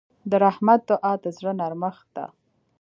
د رحمت دعا د زړه نرمښت ده.